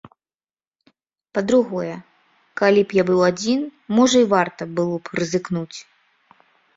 Па-другое, калі б я быў адзін, можа і варта было б рызыкнуць.